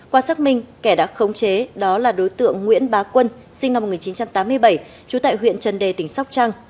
qua xác minh kẻ đã khống chế đó là đối tượng nguyễn bá quân sinh năm một nghìn chín trăm tám mươi bảy trú tại huyện trần đề tỉnh sóc trăng